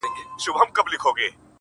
زه تر ده سم زوروري لوبي کړلای!!